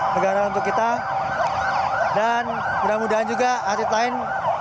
negara untuk kita dan mudah mudahan juga atlet lain